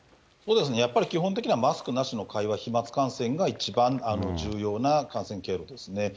そうですね、やっぱり基本的にマスクなしの会話、飛まつ感染が一番重要な感染経路ですね。